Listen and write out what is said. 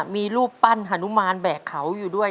มีรูปปั้นฮานุมานแบกเขาอยู่ด้วย